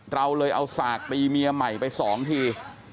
เราเลยเอาสากตีเมียใหม่ไป๒ที